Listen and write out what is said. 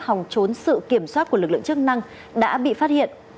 hòng trốn sự kiểm soát của lực lượng chức năng đã bị phát hiện